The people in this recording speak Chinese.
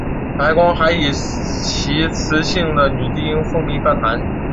白光还以其磁性的女低音风靡歌坛。